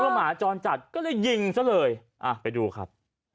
หมาจรจัดก็เลยยิงซะเลยอ่ะไปดูครับ